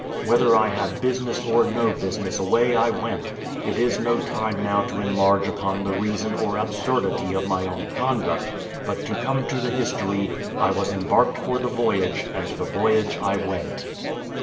Whether I had business or no business, away I went: it is no time now to enlarge upon the reason or absurdity of my own conduct, but to come to the history I was embarked for the voyage, and the voyage I went.